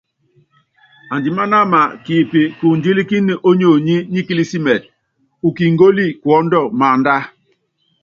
Andímánáma kipíkundílíkíni ónyonyi nikilísimitɛ, ukíngóli kuɔ́ndɔ maánda.